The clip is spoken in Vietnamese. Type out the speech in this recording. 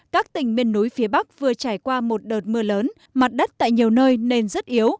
các tỉnh miền núi phía bắc vừa trải qua một đợt mưa lớn mặt đất tại nhiều nơi nên rất yếu